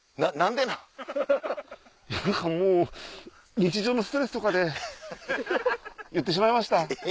日常のストレスとかで言ってしまいました。